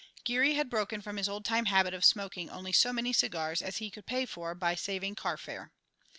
Geary had broken from his old time habit of smoking only so many cigars as he could pay for by saving carfare.